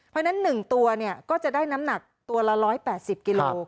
เพราะฉะนั้น๑ตัวก็จะได้น้ำหนักตัวละ๑๘๐กิโล